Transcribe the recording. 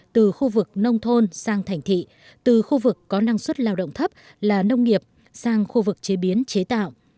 từ khu vực nông thôn sang thành thị từ khu vực có năng suất lao động thấp là nông nghiệp sang khu vực chế biến chế tạo